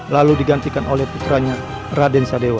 lalu digantikan oleh putranya raden sadewa